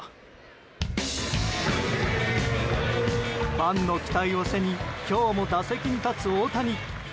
ファンの期待を背に今日も打席に立つ大谷。